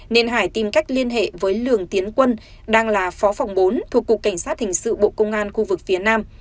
nên hải tìm cách liên hệ với lường tiến quân đang là phó phòng bốn thuộc cục cảnh sát hình sự bộ công an khu vực phía nam